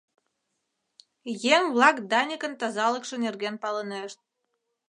Еҥ-влак Даникын тазалыкше нерген палынешт.